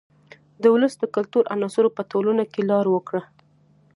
د ولس د کلتور عناصرو په ټولنه کې لار وکړه.